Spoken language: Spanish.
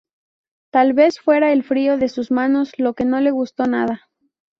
Tal vez fuera el frío de sus manos lo que no le gustó nada.